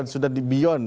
sudah di beyond